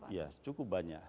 ya cukup banyak